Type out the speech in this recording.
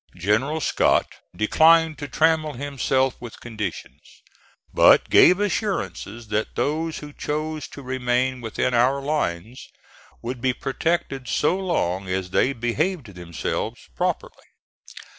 General Scott declined to trammel himself with conditions, but gave assurances that those who chose to remain within our lines would be protected so long as they behaved themselves properly.